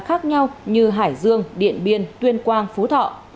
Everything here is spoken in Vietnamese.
khác nhau như hải dương điện biên tuyên quang phú thọ